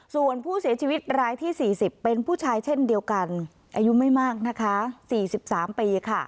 ส่วนผู้เสียชีวิตรายที่๔๐เป็นผู้ชายเช่นเดียวกันอายุไม่มากนะคะ๔๓ปีค่ะ